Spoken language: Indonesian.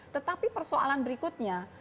tetapi persoalan berikutnya